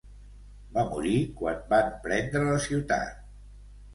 Va morir quan van prendre la ciutat.